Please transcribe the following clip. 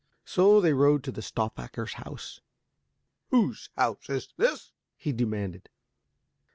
So they rode on to Stauffacher's house. "Whose house is this?" he demanded.